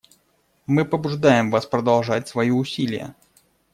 Мы побуждаем вас продолжать свои усилия.